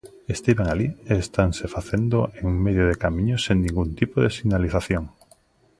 Estiven alí e estanse facendo en medio de camiños sen ningún tipo de sinalización.